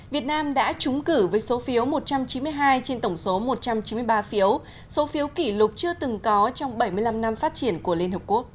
việt nam đã trúng cử với số phiếu một trăm chín mươi hai trên tổng số một trăm chín mươi ba phiếu số phiếu kỷ lục chưa từng có trong bảy mươi năm năm phát triển của liên hợp quốc